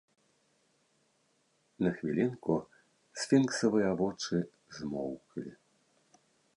На хвілінку сфінксавыя вочы змоўклі.